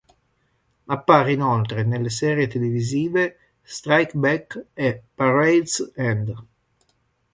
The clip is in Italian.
Appare inoltre nelle serie televisive "Strike Back" e "Parade's End".